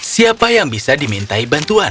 siapa yang bisa dimintai bantuan